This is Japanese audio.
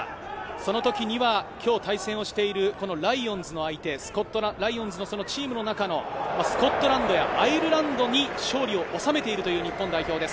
その時には今日、対戦をしている、このライオンズの相手、チームの中のスコットランドやアイルランドに勝利を収めているという日本代表です。